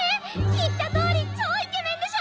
言ったとおりちょうイケメンでしょ？